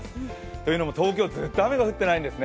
というのも東京ずっと雨が降ってないんですね。